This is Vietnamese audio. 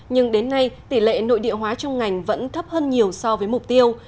nhưng đến nay tỷ lệ nội địa hóa trong ngành vẫn thấp hơn nhiều so với mục tiêu